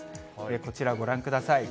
こちらご覧ください。